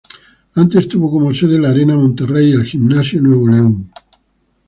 Antes tuvo como sede la Arena Monterrey y el Gimnasio Nuevo León.